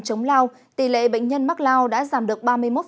chống lao tỷ lệ bệnh nhân mắc lao đã giảm được ba mươi một